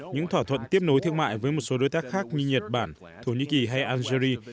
những thỏa thuận tiếp nối thương mại với một số đối tác khác như nhật bản thổ nhĩ kỳ hay algeria